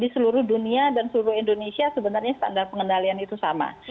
di seluruh dunia dan seluruh indonesia sebenarnya standar pengendalian itu sama